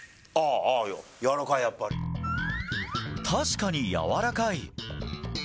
確かに、やわらかい。